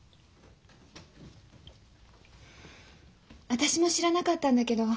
私も知らなかったんだけど